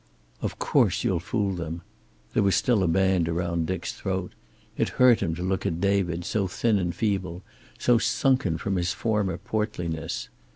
"Of course you'll fool them." There was still a band around Dick's throat. It hurt him to look at David, so thin and feeble, so sunken from his former portliness.